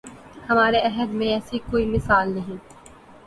ہمارے عہد میں ایسی کوئی مثال نہیں